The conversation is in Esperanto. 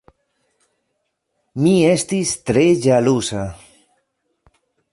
Mi estis tre ĵaluza!